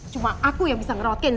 cuma aku yang bisa ngerawat kenzo